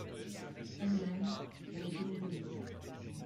Elle l'aime, elle est aimée de lui.